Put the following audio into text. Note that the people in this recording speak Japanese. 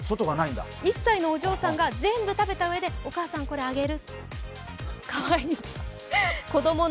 １歳のお嬢さんが全部食べたうえでお母さん、これあげる。